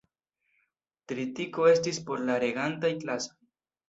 Tritiko estis por la regantaj klasoj.